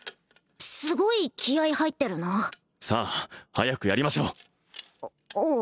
すごい気合い入ってるなさあ早くやりましょうああうん？